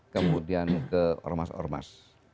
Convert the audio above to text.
kemudian ke ormas ormas